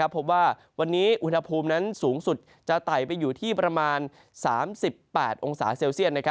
พบว่าวันนี้อุณหภูมินั้นสูงสุดจะไต่ไปอยู่ที่ประมาณ๓๘องศาเซลเซียต